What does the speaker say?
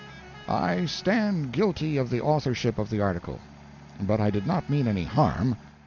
"] I stand guilty of the authorship of the article, but I did not mean any harm.